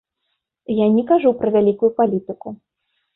Я не кажу пра вялікую палітыку.